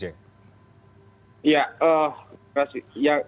ya terima kasih